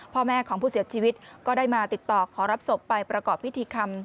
พ่อแม่ของผู้เสียชีวิตก็ได้มาติดต่อขอรับศพไปประกอบพิธีคำ